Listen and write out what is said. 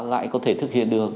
lại có thể thực hiện được